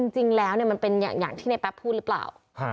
จริงแล้วมันเป็นอย่างที่ในแป๊บพูดหรือเปล่า